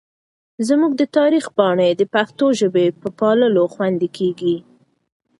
زموږ د تاریخ پاڼې د پښتو ژبې په پاللو خوندي کېږي.